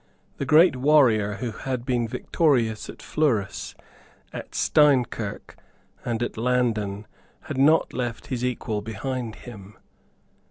The great warrior who had been victorious at Fleurus, at Steinkirk and at Landen had not left his equal behind him.